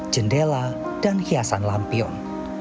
jendela dan hiasan lampion